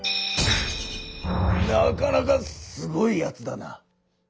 なかなかすごいやつだな。